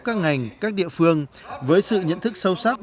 các ngành các địa phương với sự nhận thức sâu sắc